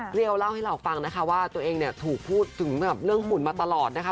เรียวเล่าให้เราฟังนะคะว่าตัวเองเนี่ยถูกพูดถึงเรื่องฝุ่นมาตลอดนะคะ